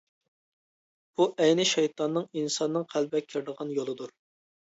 بۇ ئەينى شەيتاننىڭ ئىنساننىڭ قەلبىگە كىرىدىغان يولىدۇر.